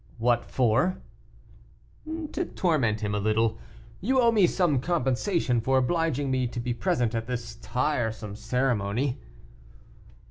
"What for?" "To torment him a little. You owe me some compensation for obliging me to be present at this tiresome ceremony."